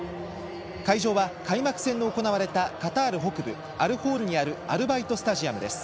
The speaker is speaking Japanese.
会場は開幕戦の行われたカタール北部アルホールにあるアルバイトスタジアムです。